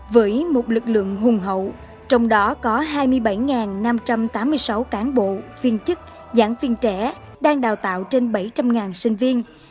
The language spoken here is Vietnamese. với một lực lượng hùng hậu trong đó có hai mươi bảy năm trăm tám mươi sáu cán bộ viên chức giảng viên trẻ đang đào tạo trên bảy trăm linh sinh viên